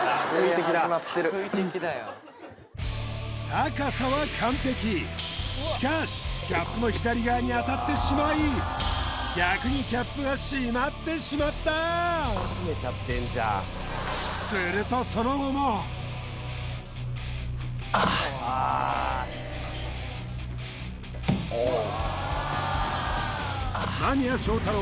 高さは完璧しかしキャップの左側に当たってしまい逆にキャップが閉まってしまったするとあーっ間宮祥太朗